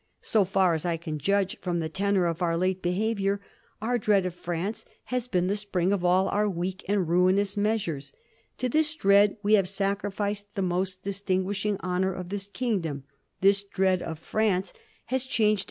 ... So far as I can judge from the tenor of our late behavior, our dread of France has been the spring of all our weak and ruinous measures. To this dread we have sacrificed the most distinguishing hon ors of this kingdom. This dread of France has changed 1739. ARGTLE'S ANECDOTE.